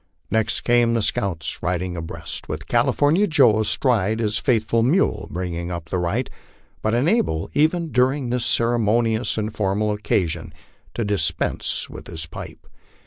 Next came the scouts riding abreast, with California Joe astride his faithful mule bringing up the right, but unable, even during this ceremonious and formal occa ion, to dispense with his pipe.